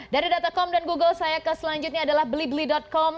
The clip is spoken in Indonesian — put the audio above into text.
dari datacom dan google saya ke selanjutnya adalah belibeli com